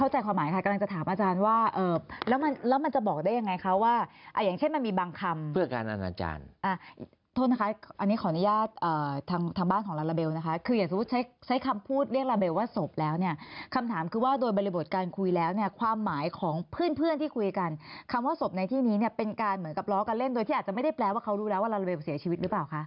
แต่ถ้าพระยรภ์ไปถึงเมื่อไหร่เราก็แนะนำพันธการสวนใบนี้เรื่องคดีต่อ